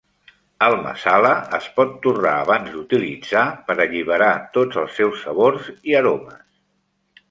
El masala es pot torrar abans d'utilitzar per alliberar tots els seus sabors i aromes.